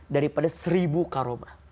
daripada seribu karomah